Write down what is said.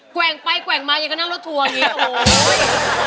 แว่งไปแกว่งมายังก็นั่งรถทัวร์อย่างนี้โอ้โห